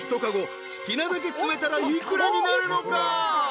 好きなだけ詰めたら幾らになるのか？］